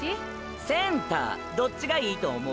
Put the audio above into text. センターどっちがいいと思う？